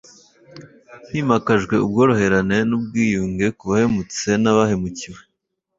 himakajwe ubworoherane n’ubwiyunge ku bahemutse n’abahemukiwe